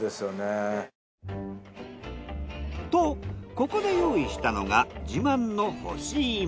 とここで用意したのが自慢の干し芋。